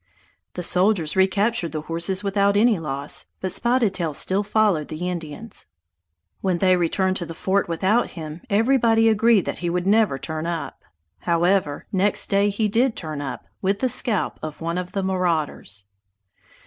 The soldiers recaptured the horses without any loss, but Spotted Tail still followed the Indians. When they returned to the fort without him, everybody agreed that he would never turn up. However, next day he did "turn up", with the scalp of one of the marauders!